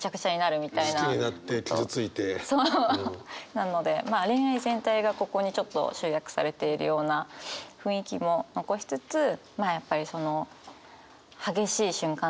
なのでまあ恋愛全体がここにちょっと集約されているような雰囲気も残しつつまあやっぱりその激しい瞬間ですよね。